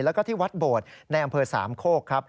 แล้วก็ที่วัดโบดในอำเภอสามโคกครับ